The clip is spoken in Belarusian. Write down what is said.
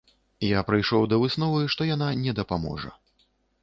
Я прыйшоў да высновы, што яна не дапаможа.